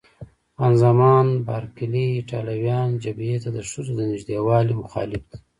خان زمان بارکلي: ایټالویان جبهې ته د ښځو د نږدېوالي مخالف دي.